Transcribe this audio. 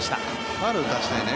ファウルを打たせたいね